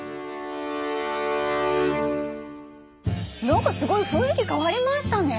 何かすごい雰囲気変わりましたね。